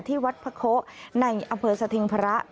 ที่วัดพระโคะในอำเภอสถิงพระ